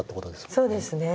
そうですね。